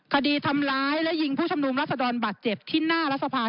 คดีทำร้ายและยิงผู้ชุมนุมรัศดรบัตรเจ็บที่หน้ารัฐสภา